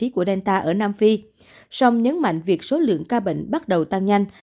của delta ở nam phi song nhấn mạnh việc số lượng ca bệnh bắt đầu tăng nhanh